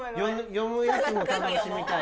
読むやつも楽しみたい。